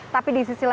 tapi di sisi lainnya